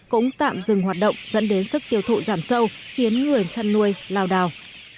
cũng tạm dừng hoạt động dẫn đến sức tiêu thụ giảm sâu khiến người chăn nuôi lao đào